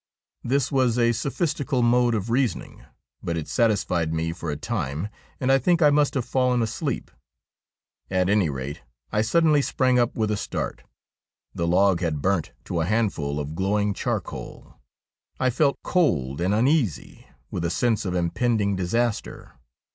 This was a sophistical mode of reasoning, but it satisfied me for a time, and I think I must have fallen asleep. At any rate I suddenly sprang up with a start. The log had burnt to a handful of glowing charcoal. I felt cold and uneasy, with a sense of impending disaster.